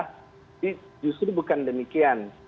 tapi justru bukan demikian